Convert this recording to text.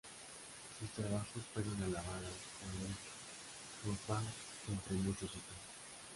Sus trabajos fueron alabados por Eric Hobsbawm, entre muchos otros.